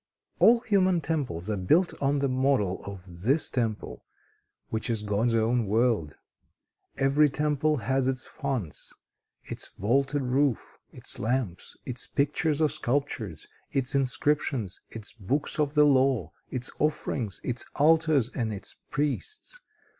"All human temples are built on the model of this temple, which is God's own world. Every temple has its fonts, its vaulted roof, its lamps, its pictures or sculptures, its inscriptions, its books of the law, its offerings, its altars and its priests.